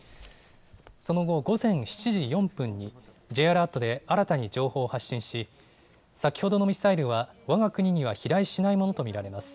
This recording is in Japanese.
その後、午前７時４分にＪアラートで新たに情報を発信し、先ほどのミサイルはわが国には飛来しないものと見られます。